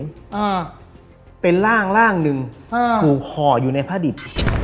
อ่าเป็นร่างร่างหนึ่งอ่าถูกห่ออยู่ในผ้าดิบ